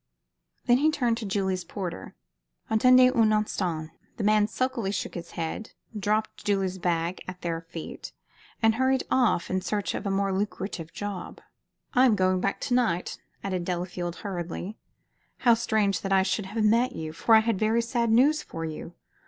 Then he turned to Julie's porter. "Attendez un instant." The man sulkily shook his head, dropped Julie's bag at their feet, and hurried off in search of a more lucrative job. "I am going back to night," added Delafield, hurriedly. "How strange that I should have met you, for I have very sad news for you!